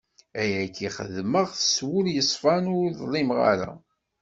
Ayagi xedmeɣ-t s wul yeṣfan, ur ḍlimeɣ ara!